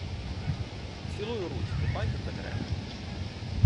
Цілую ручки, пані Петренко.